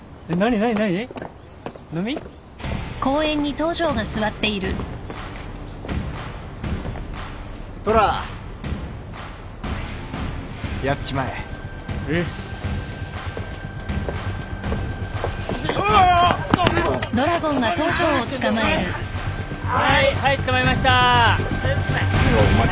はいはい捕まえました。